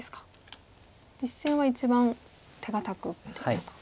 実戦は一番手堅く打ってたと。